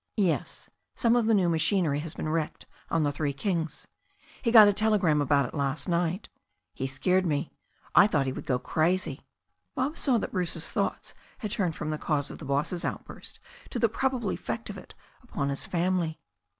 "Yes. Some of the new machinery has been wrecked on the Three Kings. He got a telegram about it last night. He scared me. I thought he would go crazy." Bob saw that Bruce's thoughts had turned from the cause of the boss's outburst to the probable effect of it upon his family.